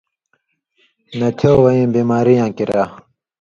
نتھېو وَیں بیماری یاں کریا